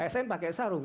sm pakai sarung